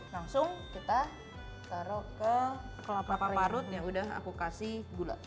langsung kita taruh ke parut yang udah aku kasih gula